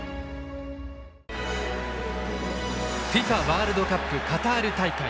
ＦＩＦＡワールドカップカタール大会。